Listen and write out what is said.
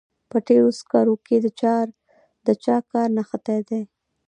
په ډبرو سکرو کې د چا کار نغښتی دی